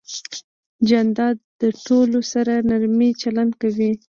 جانداد د ټولو سره نرمي چلند کوي.